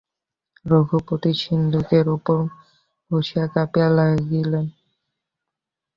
রঘুপতি সিন্দুকের উপরে বসিয়া কাঁপিতে লাগিলেন।